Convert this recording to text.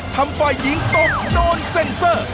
ทำไฟล์ยิงตกโดนเซ็นเซอร์